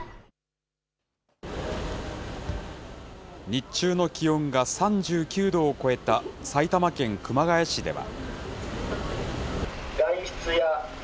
日中の気温が３９度を超えた埼玉県熊谷市では。